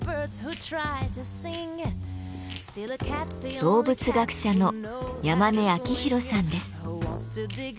動物学者の山根明弘さんです。